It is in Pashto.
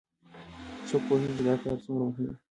څوک پوهیږي چې دا کار څومره مهم ده